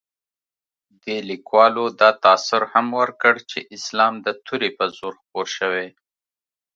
دې لیکوالو دا تاثر هم ورکړ چې اسلام د تورې په زور خپور شوی.